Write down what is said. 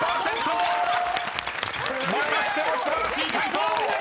［またしても素晴らしい解答！］